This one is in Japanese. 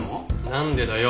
なんでだよ。